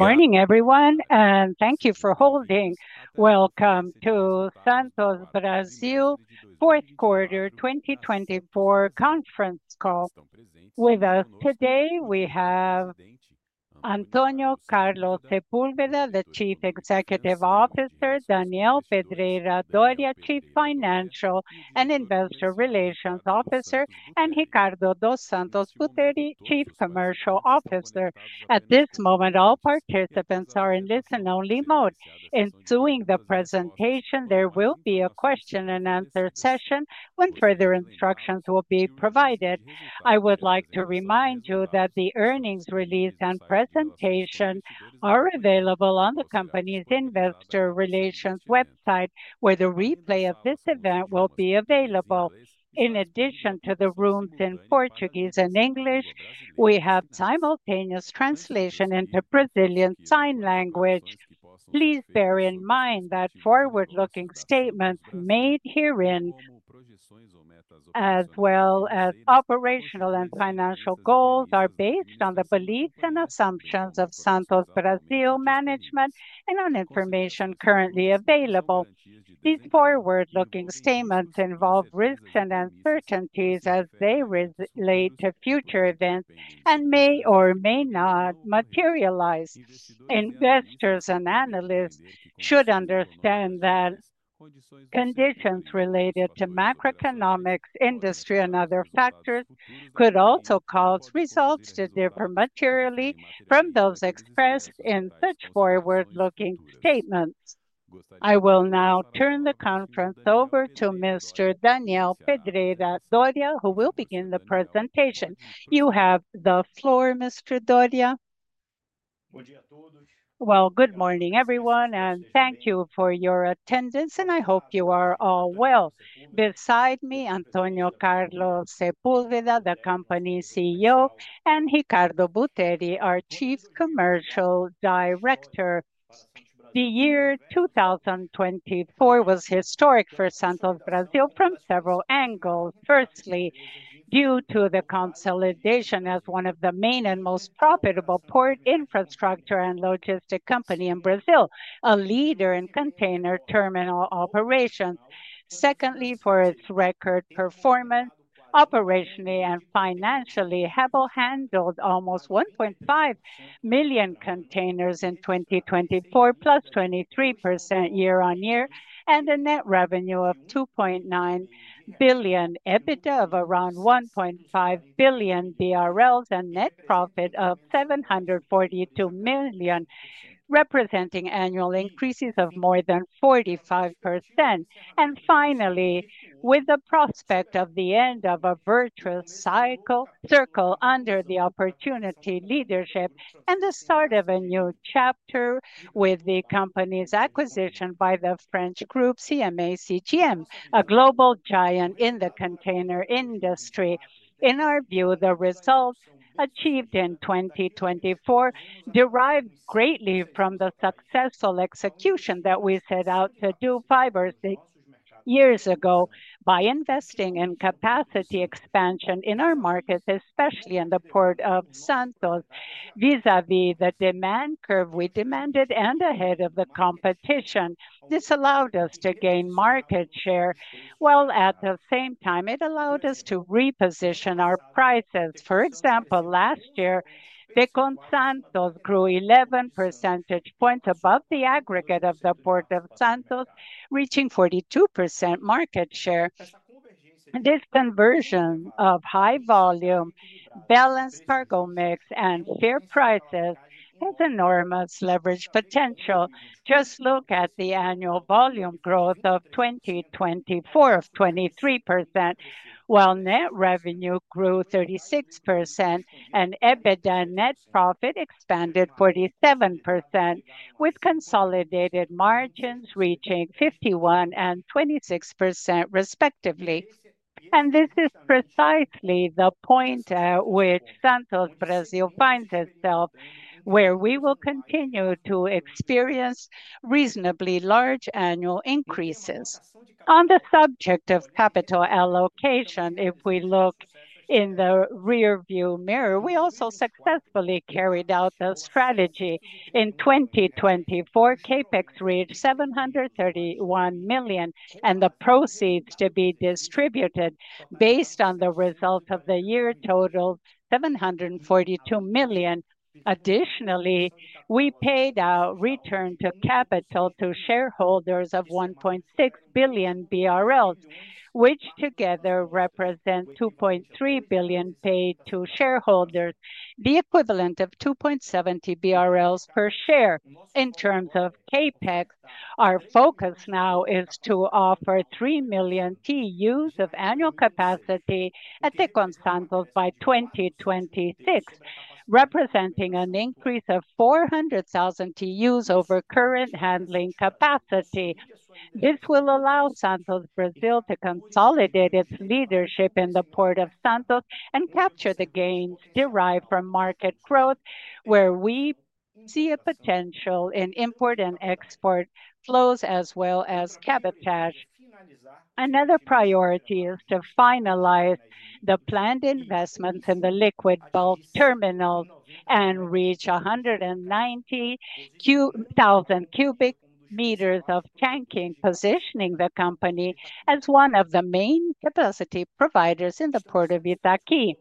Good morning, everyone, and thank you for holding. Welcome to Santos Brasil 4th Quarter 2024 conference call. With us today, we have Antônio Carlos Sepúlveda, the Chief Executive Officer; Daniel Pedreira Doria, Chief Financial and Investor Relations Officer; and Ricardo dos Santos Buteri, Chief Commercial Officer. At this moment, all participants are in listen-only mode. In the ensuing presentation, there will be a question-and-answer session when further instructions will be provided. I would like to remind you that the earnings release and presentation are available on the company's Investor Relations website, where the replay of this event will be available. In addition to the transcripts in Portuguese and English, we have simultaneous translation into Brazilian Sign Language. Please bear in mind that forward-looking statements made herein as well as operational and financial goals are based on the beliefs and assumptions of Santos Brasil management and on information currently available. These forward-looking statements involve risks and uncertainties as they relate to future events and may or may not materialize. Investors and analysts should understand that conditions related to macroeconomics, industry, and other factors could also cause results to differ materially from those expressed in such forward-looking statements. I will now turn the conference over to Mr. Daniel Pedreira Doria, who will begin the presentation. You have the floor, Mr. Doria. Well, good morning, everyone, and thank you for your attendance, and I hope you are all well. Beside me, Antônio Carlos Sepúlveda, the company CEO, and Ricardo Buteri, our Chief Commercial Director. The year 2024 was historic for Santos Brasil from several angles. Firstly, due to the consolidation as one of the main and most profitable port infrastructure and logistics companies in Brazil, a leader in container terminal operations. Secondly, for its record performance, operationally and financially, Tecon Santos handled almost 1.5 million containers in 2024, plus 23% year-on-year, and a net revenue of 2.9 billion, EBITDA of around 1.5 billion BRL, and net profit of 742 million, representing annual increases of more than 45%. And finally, with the prospect of the end of a virtuous circle under the Opportunity leadership and the start of a new chapter with the company's acquisition by the French group CMA CGM, a global giant in the container industry. In our view, the results achieved in 2024 derived greatly from the successful execution that we set out to do five or six years ago by investing in capacity expansion in our markets, especially in the Port of Santos, vis-à-vis the demand curve we demanded and ahead of the competition. This allowed us to gain market share, while at the same time, it allowed us to reposition our prices. For example, last year, Tecon Santos grew 11 percentage points above the aggregate of the Port of Santos, reaching 42% market share. This conversion of high volume, balanced cargo mix, and fair prices has enormous leverage potential. Just look at the annual volume growth of 2024 of 23%, while net revenue grew 36% and EBITDA net profit expanded 47%, with consolidated margins reaching 51% and 26%, respectively. And this is precisely the point at which Santos Brasil finds itself, where we will continue to experience reasonably large annual increases. On the subject of capital allocation, if we look in the rearview mirror, we also successfully carried out the strategy in 2024. CapEx reached 731 million, and the proceeds to be distributed based on the results of the year totaled 742 million. Additionally, we paid our return to capital to shareholders of 1.6 billion BRL, which together represent 2.3 billion paid to shareholders, the equivalent of 2.70 BRL per share. In terms of CAPEX, our focus now is to offer 3 million TEUs of annual capacity at Tecon Santos by 2026, representing an increase of 400,000 TEUs over current handling capacity. This will allow Santos Brasil to consolidate its leadership in the Port of Santos and capture the gains derived from market growth, where we see a potential in import and export flows as well as cabotage. Another priority is to finalize the planned investments in the liquid bulk terminals and reach 190,000 cubic meters of tankage, positioning the company as one of the main capacity providers in the Port of Itaqui.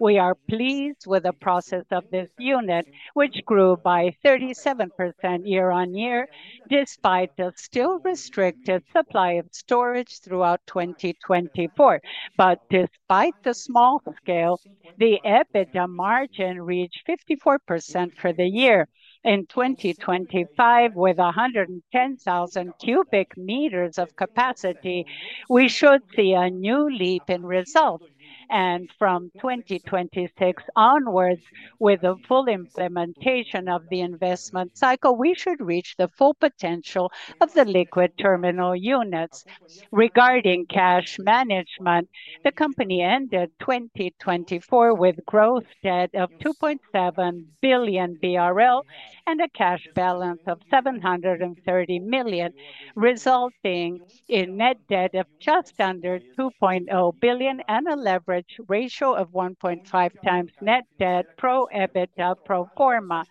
We are pleased with the process of this unit, which grew by 37% year-on-year, despite the still restricted supply of storage throughout 2024, but despite the small scale, the EBITDA margin reached 54% for the year. In 2025, with 110,000 cubic meters of capacity, we should see a new leap in results, and from 2026 onwards, with the full implementation of the investment cycle, we should reach the full potential of the liquid terminal units. Regarding cash management, the company ended 2024 with gross debt of 2.7 billion BRL and a cash balance of 730 million, resulting in net debt of just under 2.0 billion and a leverage ratio of 1.5x net debt to EBITDA pro forma.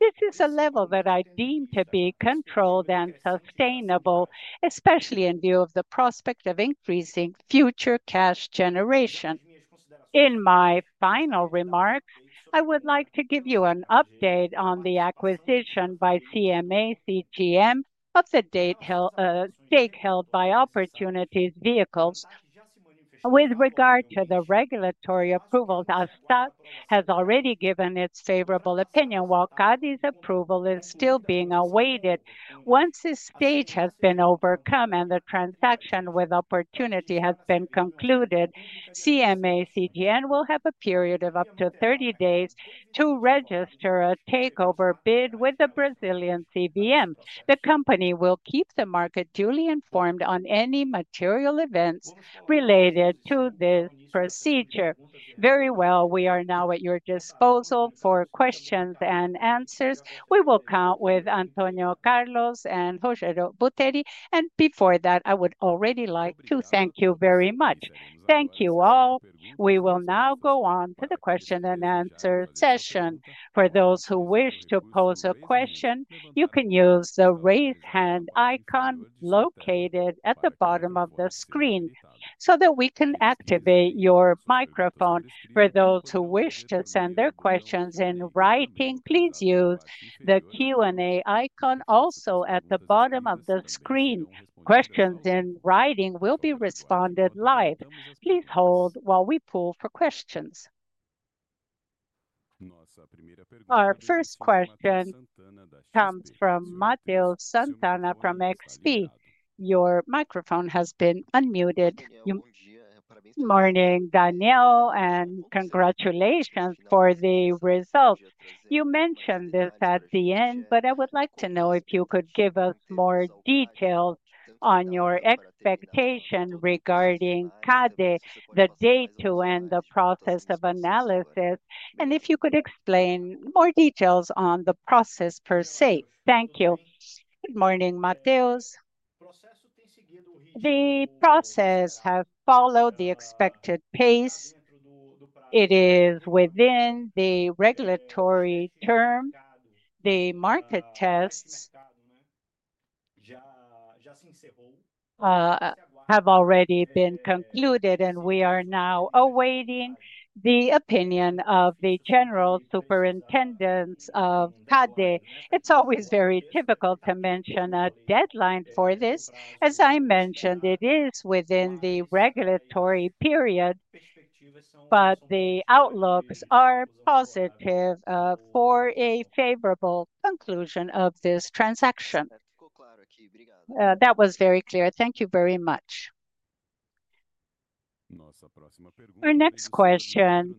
This is a level that I deem to be controlled and sustainable, especially in view of the prospect of increasing future cash generation. In my final remarks, I would like to give you an update on the acquisition by CMA CGM of the stake held by Opportunity. With regard to the regulatory approvals, ANTAQ has already given its favorable opinion, while CADE's approval is still being awaited. Once this stage has been overcome and the transaction with Opportunity has been concluded, CMA CGM will have a period of up to 30 days to register a takeover bid with the Brazilian CVM. The company will keep the market duly informed on any material events related to this procedure. Very well, we are now at your disposal for questions and answers. We will count with Antônio Carlos and Ricardo Buteri. And before that, I would already like to thank you very much. Thank you all. We will now go on to the question and answer session. For those who wish to pose a question, you can use the raise hand icon located at the bottom of the screen so that we can activate your microphone. For those who wish to send their questions in writing, please use the Q&A icon also at the bottom of the screen. Questions in writing will be responded live. Please hold while we poll for questions. Our first question comes from Matheus Sant'Anna from XP. Your microphone has been unmuted. Good morning, Daniel, and congratulations for the results. You mentioned this at the end, but I would like to know if you could give us more details on your expectation regarding CADE, the date to end the process of analysis, and if you could explain more details on the process per se. Thank you. Good morning, Matheus. The process has followed the expected pace. It is within the regulatory term. The market tests have already been concluded, and we are now awaiting the opinion of the General Superintendent of CADE. It's always very difficult to mention a deadline for this. As I mentioned, it is within the regulatory period, but the outlooks are positive for a favorable conclusion of this transaction. That was very clear. Thank you very much. Our next question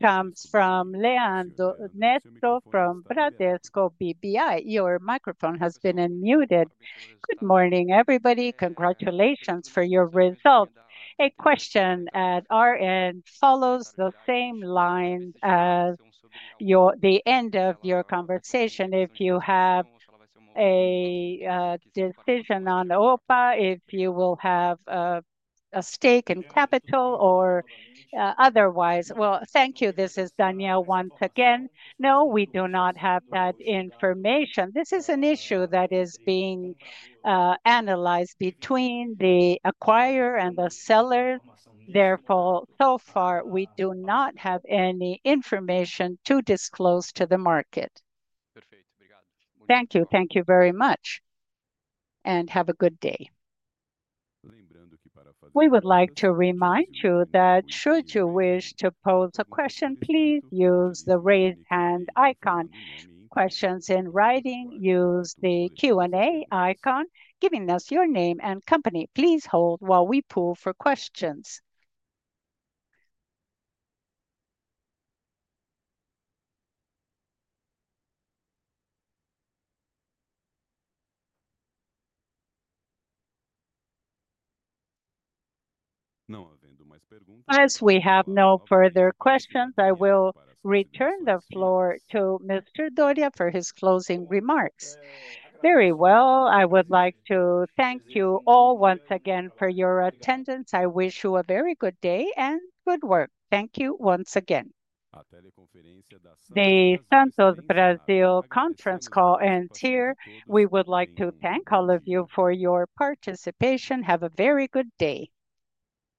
comes from Leandro Neto from Bradesco BBI. Your microphone has been unmuted. Good morning, everybody. Congratulations for your results. A question at our end follows the same lines as the end of your conversation. If you have a decision on OPA, if you will have a stake in capital or otherwise. Well, thank you. This is Daniel once again. No, we do not have that information. This is an issue that is being analyzed between the acquirer and the seller. Therefore, so far, we do not have any information to disclose to the market. Thank you. Thank you very much, and have a good day. We would like to remind you that should you wish to pose a question, please use the raise hand icon. Questions in writing, use the Q&A icon, giving us your name and company. Please hold while we pull for questions. As we have no further questions, I will return the floor to Mr. Doria for his closing remarks. Very well, I would like to thank you all once again for your attendance. I wish you a very good day and good work. Thank you once again. The Santos Brasil Conference Call and here, we would like to thank all of you for your participation. Have a very good day.